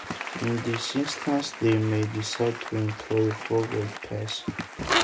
In this instance, they may decide to employ a forward pass.